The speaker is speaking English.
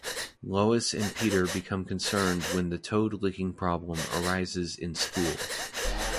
Lois and Peter become concerned when the toad-licking problem arises in school.